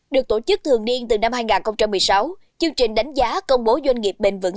được tổ chức thường niên từ năm hai nghìn một mươi sáu chương trình đánh giá công bố doanh nghiệp bền vững